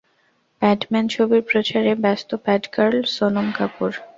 প্যাডম্যান ছবির প্রচারে ব্যস্ত প্যাডগার্ল সোনম কাপুর।